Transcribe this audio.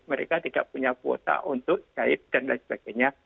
mereka tidak punya kuota untuk gaib dan lain sebagainya